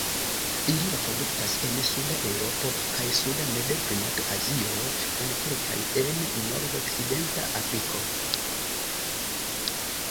Ili reproduktas en suda Eŭropo kaj suda moderklimata Azio kun kelkaj en nordokcidenta Afriko.